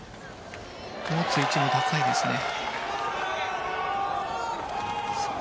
持つ位置も高いですね。